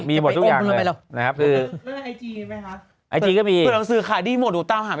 มีหมดทุกอย่างเลยนะครับคือแล้วไอจีมั้ยครับ